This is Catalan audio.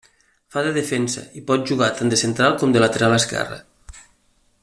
Fa de defensa, i pot jugar tant de central com de lateral esquerre.